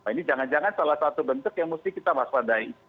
ini jangan jangan salah satu bentuk yang mesti kita waspadai